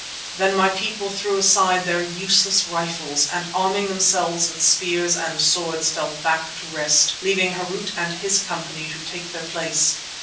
Then my people threw aside their useless rifles and arming themselves with spears and swords fell back to rest, leaving Harût and his company to take their place.